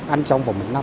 ăn trong vòng một năm